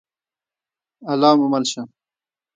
الله مو مل شه؟